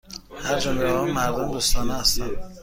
هرجا می روم، مردم دوستانه هستند.